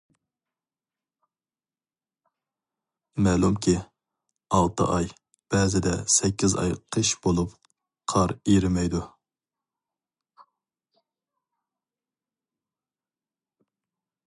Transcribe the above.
مەلۇمكى، ئالتە ئاي، بەزىدە سەككىز ئاي قىش بولۇپ قار ئېرىمەيدۇ.